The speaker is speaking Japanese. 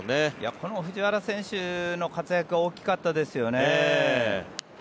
この藤原選手の活躍は大きかったですよね。